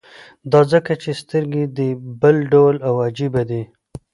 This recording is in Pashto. دا ځکه چې سترګې دې بل ډول او عجيبه دي.